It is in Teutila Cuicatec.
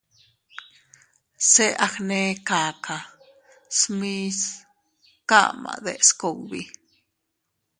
Se a gnekaka smiche kama deʼes kugbi.